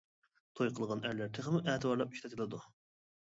توي قىلغان ئەرلەر تېخىمۇ ئەتىۋارلاپ ئىشلىتىلىدۇ.